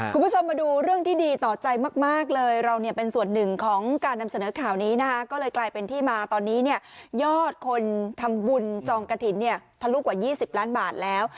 คุณผู้ชมมาดูเรื่องที่ดีต่อใจมากเลยเราเนี่ยเป็นส่วนหนึ่งของการนำเสนอข่าวนี้นะคะก็เลยกลายเป็นที่มาตอนนี้เนี่ยยอดคนทำบุญจองกระถิ่นเนี่ยทะลุกว่า๒๐ล้านบาทแล้ว